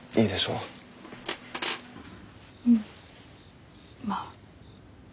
うんまあ。